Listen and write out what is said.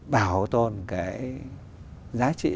bảo tồn cái giá trị